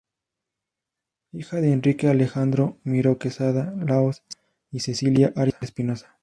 Hija de Enrique Alejandro Miró Quesada Laos y Cecilia Arias Espinoza.